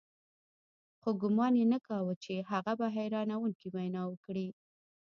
خو ګومان یې نه کاوه چې هغه به حیرانوونکې وینا وکړي